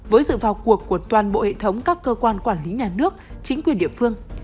với sự vào cuộc của toàn bộ hệ thống các cơ quan quản lý nhà nước chính quyền địa phương